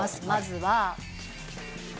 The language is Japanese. まずは。